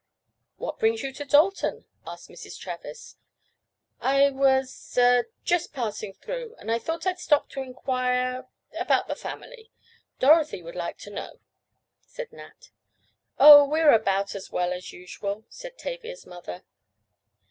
"What brings you to Dalton?" asked Mrs. Travers. "I was—er—just passing through, and I thought I'd stop to inquire—about the family. Dorothy would like to know," said Nat. "Oh, we're about as well as usual," said Tavia's mother.